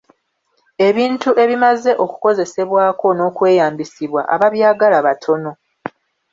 Ebintu ebimaze okukozesebwako n'okweyambisibwa, ababyagala batono.